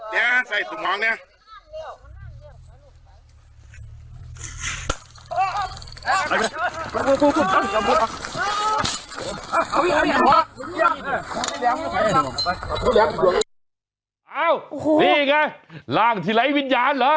นี่ไงร่างที่ไร้วิญญาณเหรอ